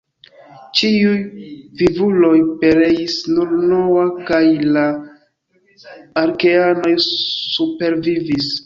Ĉiuj vivuloj pereis, nur Noa kaj la arkeanoj supervivis.